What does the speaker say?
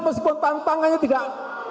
meskipun tantangannya tidak